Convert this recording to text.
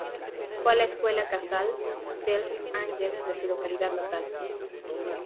Fue a la escuela Casal dels Àngels de su localidad natal.